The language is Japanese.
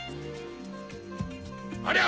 ありゃ！